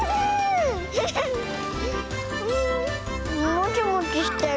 もちもちしてる。